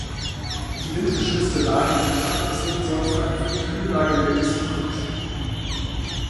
Die windgeschützte Lage im Talkessel sorgt für ein für die Höhenlage mildes Mikroklima.